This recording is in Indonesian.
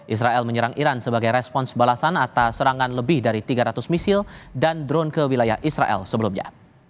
israel menyerang iran sebagai respons balasan atas serangan lebih dari tiga ratus misil dan drone ke wilayah israel sebelumnya